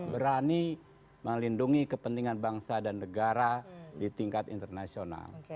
berani melindungi kepentingan bangsa dan negara di tingkat internasional